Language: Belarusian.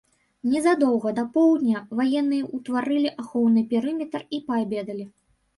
Незадоўга да поўдня ваенныя ўтварылі ахоўны перыметр і паабедалі.